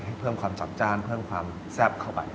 เพิ่มความจัดจ้านเพิ่มความแซ่บเข้าไป